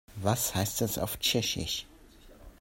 Was heißt das auf Tschechisch?